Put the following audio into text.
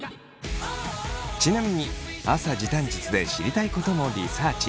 ちなみに朝時短術で知りたいこともリサーチ。